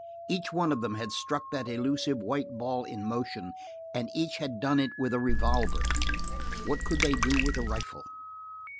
Each one of them had struck that elusive white ball in motion, and each had done it with a revolver. What could they do with a rifle?